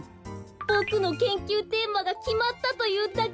ボクの研究テーマがきまったというだけです。